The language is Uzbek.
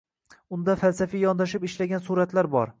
Unda falsafiy yondashib ishlagan suratlar bor.